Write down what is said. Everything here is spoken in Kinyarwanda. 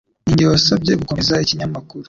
Ninjye wasabye gukomeza ikinyamakuru.